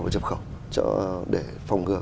và chập khẩu để phòng ngừa